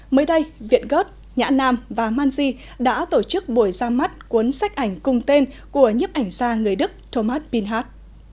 mới đây viện gớt nhã nam và manji đã tổ chức buổi ra mắt cuốn sách ảnh cùng tên của nhếp ảnh gia người đức thomas bilhart